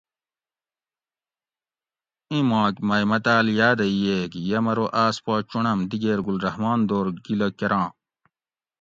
ایں ماک مئ متاۤل یاۤدہ ییگ یمرو آس پا چونڑم دیگیر گل رحمان دور گِلہ کراں